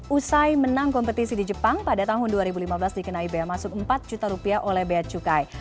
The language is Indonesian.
usai menang kompetisi di jepang pada tahun dua ribu lima belas dikenai bea masuk empat juta rupiah oleh bea cukai